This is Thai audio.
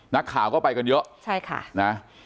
นักข่าวก็ไปกันเยอะ